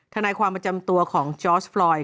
ทนายความประจำตัวของจอร์สปลอย